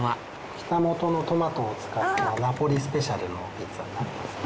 北本のトマトを使ったナポリスペシャルのピッツァになりますね。